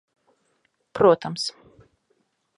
Protams.